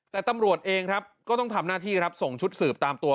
แต่ตำรวจเองครับก็ต้องทำหน้าที่ครับส่งชุดสืบตามตัว